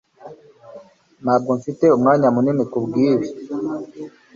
Ntabwo mfite umwanya munini kubwibi